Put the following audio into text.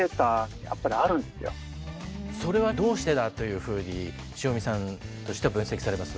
それはどうしてだというふうに汐見さんとしては分析されます？